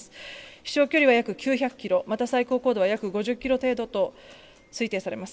飛しょう距離は約９００キロ、最高高度は約５０キロ程度と推定されます。